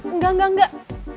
enggak enggak enggak